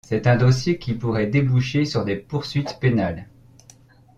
C'est un dossier qui pourrait déboucher sur des poursuites pénales.